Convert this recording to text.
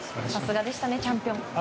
さすがでしたね、チャンピオン。